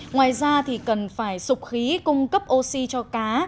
ngoài ra thì cần phải sụp khí cung cấp oxy cho cá